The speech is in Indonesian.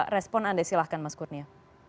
respon anda silahkan mas kurnia